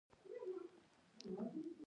سندره د انسان احساس ښيي